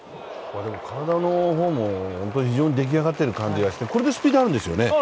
体の方も非常にでき上っている感じがして、これでスピードあるんですよね？